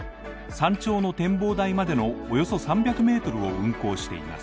山頂の展望台までのおよそ３００ｍを運行しています。